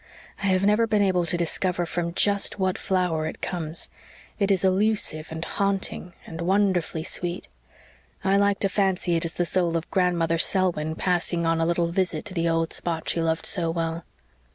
"I have never been able to discover from just what flower it comes. It is elusive and haunting and wonderfully sweet. I like to fancy it is the soul of Grandmother Selwyn passing on a little visit to the old spot she loved so well.